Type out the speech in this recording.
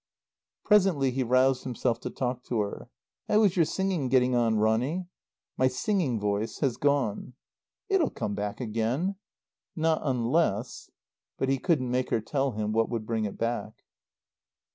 Presently he roused himself to talk to her. "How is your singing getting on, Ronny?" "My singing voice has gone." "It'll come back again." "Not unless " But he couldn't make her tell him what would bring it back.